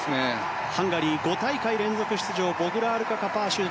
ハンガリー５大会連続出場ボグラールカ・カパーシュ。